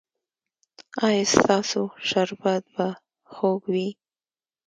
ایا ستاسو شربت به خوږ وي؟